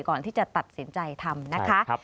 ก่อนที่จะตัดสินใจทำนะคะ